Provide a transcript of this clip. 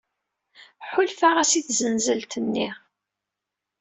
Ḥulfaɣ-as i tzenzelt-nni.